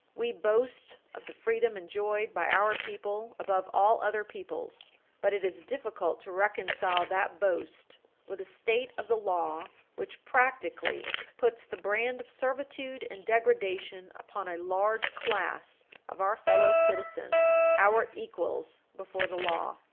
We boast of the freedom enjoyed by our people above all other peoples. But it is difficult to reconcile that boast with a state of the law which, practically, puts the brand of servitude and degradation upon a large class of our fellow citizens, our equals before the law.